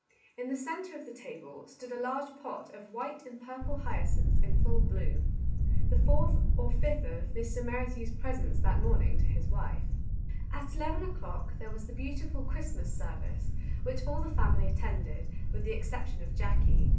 In the centre of the table stood a large pot of white and purple hyacinths in full bloom, the fourth or fifth of g2 Our Little Canadian Cousin Mr. Merrithew's presents that morning to his wife. At eleven o'clock there was the beautiful Christmas service, which all the family at tended, with the exception of Jackie.